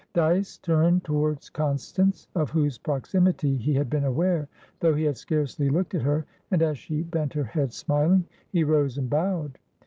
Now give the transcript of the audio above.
Dyce turned towards Constance, of whose proximity he had been aware, though he had scarcely looked at her, and, as she bent her head smiling, he rose and bowed.